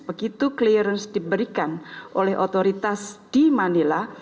begitu clearance diberikan oleh otoritas di manila